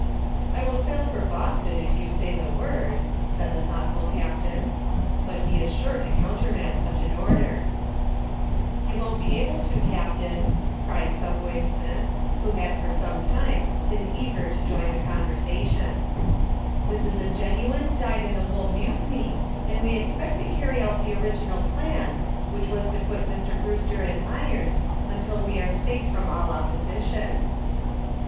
"I will sail for Boston if you say the word," said the thoughtful captain. "But he is sure to countermand such an order." "He won't be able to, captain," cried "Subway" Smith, who had for some time been eager to join in the conversation. "This is a genuine, dyed in the wool mutiny and we expect to carry out the original plan, which was to put Mr. Brewster in irons, until we are safe from all opposition."